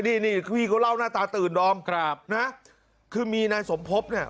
นี่นี่พี่เขาเล่าหน้าตาตื่นดอมครับนะคือมีนายสมภพเนี่ย